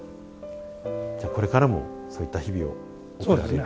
じゃあこれからもそういった日々を送られる。